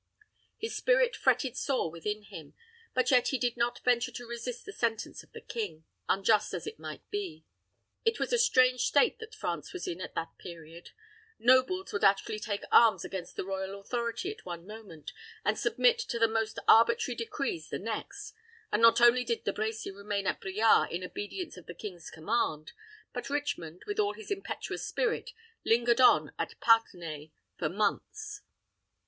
His spirit fretted sore within him; but yet he did not venture to resist the sentence of the king, unjust as it might be. It was a strange state that France was in at that period. Nobles would actually take arms against the royal authority at one moment, and submit to the most arbitrary decrees the next; and not only did De Brecy remain at Briare in obedience to the king's command, but Richmond, with all his impetuous spirit, lingered on at Parthenay for months.